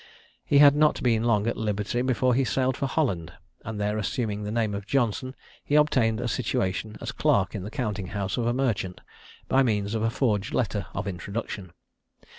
He had not been long at liberty, before he sailed for Holland, and there assuming the name of Johnson, he obtained a situation as clerk in the counting house of a merchant, by means of a forged letter of introduction.